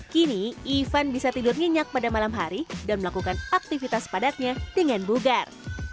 kini ivan bisa tidur nyenyak pada malam hari dan melakukan aktivitas padatnya dengan bugar